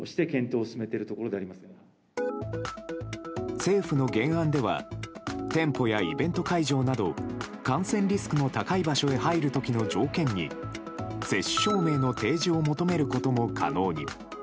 政府の原案では店舗やイベント会場など感染リスクの高い場所へ入る時の条件に接種証明の提示を求めることも可能に。